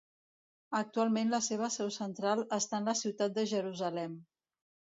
Actualment la seva seu central està en la ciutat de Jerusalem.